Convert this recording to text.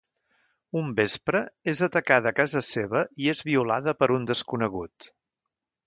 Un vespre, és atacada a casa seva i és violada per un desconegut.